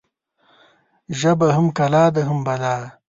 ژبه هم کلا ده، هم بلا